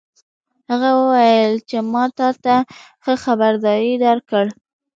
هغه وویل چې ما تا ته ښه خبرداری درکړ